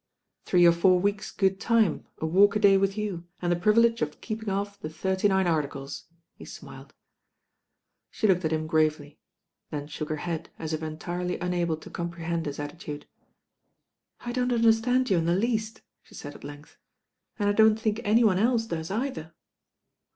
"Three or four weeks' good time, a walk a day with you, and the privilege of keeping off the Thirty Nine Articles," he smiled. She looked at him gravely, then shook her head, as if entirely unable to comprehend his attitude. "I don't understand you in the least," she said at length, "and I don't think any one else does, either."